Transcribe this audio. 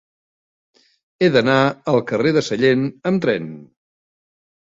He d'anar al carrer de Sallent amb tren.